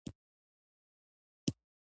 افغانستان د اقلیم لپاره مشهور دی.